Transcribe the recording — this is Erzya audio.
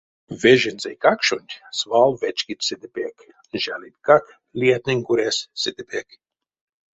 Веженсь эйкакшонть свал вечкить седе пек, жалитькак лиятнень коряс седе пек.